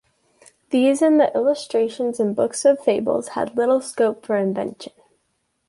These and the illustrations in books of fables had little scope for invention.